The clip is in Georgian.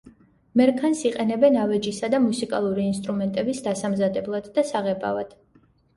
მერქანს იყენებენ ავეჯისა და მუსიკალური ინსტრუმენტების დასამზადებლად და საღებავად.